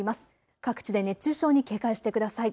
各地で熱中症に警戒してください。